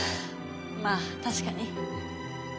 まあ確かに。